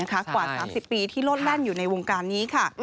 กว่า๓๐ปีที่โลดแล่นอยู่ในวงการนี้ค่ะ